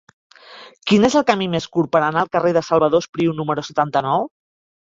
Quin és el camí més curt per anar al carrer de Salvador Espriu número setanta-nou?